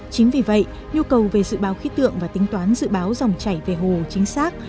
chính vì vậy nhu cầu về dự báo khí tượng và tính toán dự báo dòng chảy về hồ chính xác